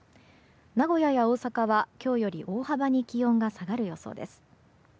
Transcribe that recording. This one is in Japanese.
名古屋や大阪は今日より大幅に気温が下がる予想です。